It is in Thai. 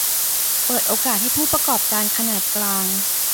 เปิดโอกาสให้ผู้ประกอบการขนาดกลาง